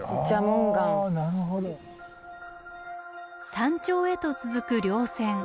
山頂へと続く稜線。